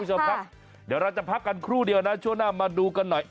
เอาค่ะเดี๋ยวเราจะพักกันครู่เดียวนะช่วงหน้ามาดูกันหน่อย